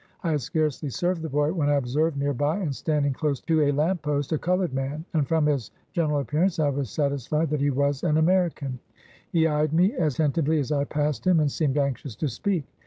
I had scarcely served the boy, when I observed near by, and standing close to a lamp post, a colored man, and from his gen eral appearance, I was satisfied that he was an Ameri can. He eyed me attentively as I passed him, and seemed anxious to speak.